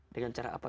dengan cara apa